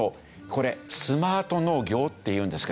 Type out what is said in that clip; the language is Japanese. これスマート農業っていうんですけど。